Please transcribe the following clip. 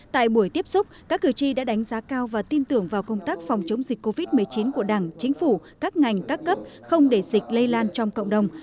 tại buổi tiếp xúc các cử tri đã đánh giá cao và tin tưởng vào công tác phòng chống dịch covid một mươi chín của đảng chính phủ các ngành các cấp không để dịch lây lan trong cộng đồng